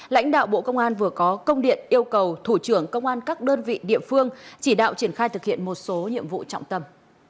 lãnh đạo bộ công an vừa có công điện yêu cầu thủ trưởng công an các đơn vị địa phương chỉ đạo triển khai thực hiện một số nhiệm vụ trọng tâm